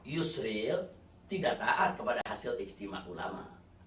yusril tidak taat kepada hasil ijtima ulama